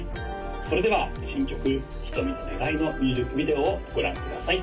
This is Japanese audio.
それでは新曲「瞳の願い」のミュージックビデオをご覧ください